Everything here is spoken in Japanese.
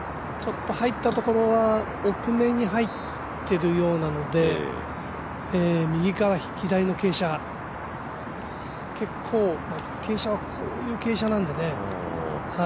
入ったところは奥目に入っているようなので右から左の傾斜、結構傾斜はこういう傾斜なんでね。